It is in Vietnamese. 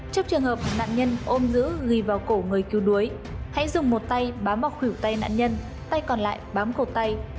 trong trường hợp nạn nhân ôm giữ ghi vào cổ người cứu đuối hãy dùng một tay bám vào khủyểu tay nạn nhân tay còn lại bám cột tay